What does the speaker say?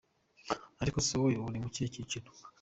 Ariko se wowe uri mu cyihe cyiciro?